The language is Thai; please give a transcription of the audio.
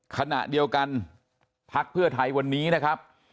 ขณะเดียวกันพักเพื่อไทยวันนี้นะครับ